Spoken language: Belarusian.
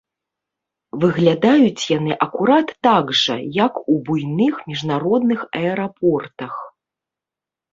Выглядаюць яны акурат так жа, як у буйных міжнародных аэрапортах.